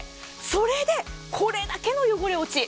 それでこれだけの汚れ落ち。